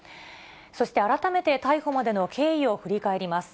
そして改めて、逮捕までの経緯を振り返ります。